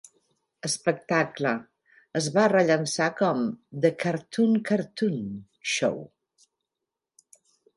Espectacle" es va rellançar com "The Cartoon Cartoon Show ".